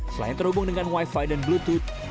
selain terhubung dengan wi fi dan bluetooth